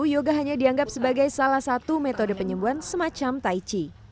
yoga hanya dianggap sebagai salah satu metode penyembuhan semacam taichi